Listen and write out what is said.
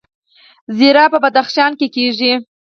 زیره په بدخشان کې کیږي